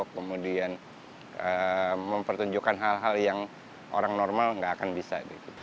kemudian mempertunjukkan hal hal yang orang normal nggak akan bisa